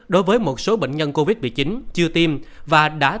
đối với một số bệnh nhân covid một mươi chín chưa tiêm và đã